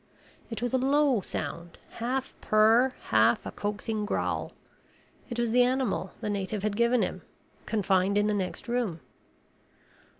It was a low sound, half purr, half a coaxing growl. It was the animal the native had given him, confined in the next room.